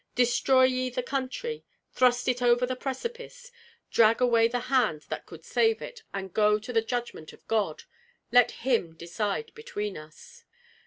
Destroy ye the country, thrust it over the precipice, drag away the hand that could save it, and go to the judgment of God! Let him decide between us."